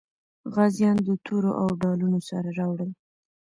غازیان د تورو او ډالونو سره راوړل.